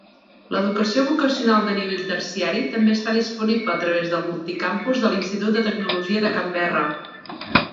L'educació vocacional de nivell terciari també està disponible a través del multicampus de l'Institut de Tecnologia de Canberra.